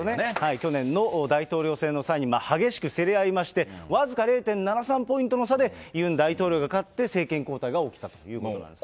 去年の大統領選の際に、激しく競り合いまして、僅か０．７３ポイントの差でユン大統領が勝って、政権交代が起きたということなんですね。